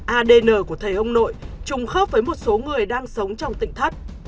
adn của thầy ông nội trùng khớp với một số người đang sống trong tỉnh thất